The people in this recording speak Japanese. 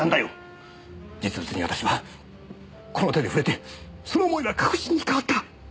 実物に私はこの手で触れてその思いは確信に変わった。